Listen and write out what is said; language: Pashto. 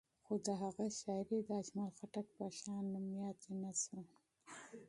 خو د هغه شاعري د اجمل خټک په شان مشهوره نه شوه.